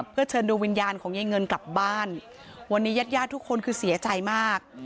เพื่อเชิญดูวิญญาณของยายเงินกลับบ้านวันนี้ญาติญาติทุกคนคือเสียใจมาก